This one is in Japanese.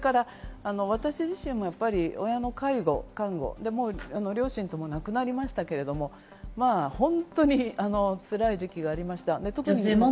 私自身も親の介護、看護、両親とももう亡くなりましたけど、まぁ本当につらい時期がありました。